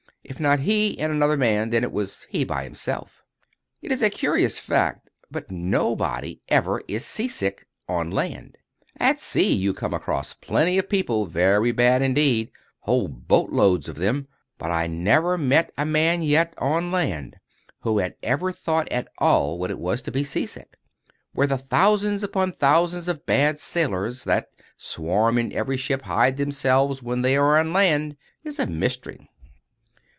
If not he and another man, then it was he by himself. It is a curious fact, but nobody ever is sea sick—on land. At sea, you come across plenty of people very bad indeed, whole boat loads of them; but I never met a man yet, on land, who had ever known at all what it was to be sea sick. Where the thousands upon thousands of bad sailors that swarm in every ship hide themselves when they are on land is a mystery.